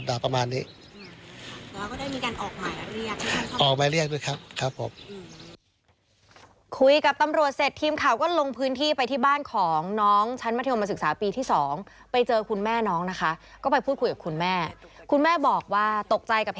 ท่านพอคุยกับตำรวจเสร็จทีมข่าวก็ลงพื้นที่ไปที่บ้านของน้องชั้นมศปีที่๒ไปเจอคุณแม่น้องนะคะก็ไปพูดคุยกับคุณแม่คุณแม่บอกว่าตกใจกับ